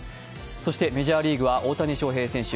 そして、メジャーリーグは大谷翔平選手。